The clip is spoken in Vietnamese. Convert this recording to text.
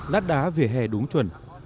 nát đá về hè đúng chuẩn